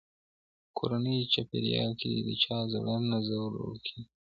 په کورني چاپیریال کي د چا زړه نه ځورول کېږي.